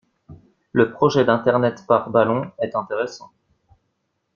Le projet d'internet par ballons est intéressant.